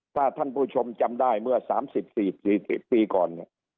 ถ้าท่านผู้ชมจำได้เมื่อ๓๔ปีก่อนเนี่ย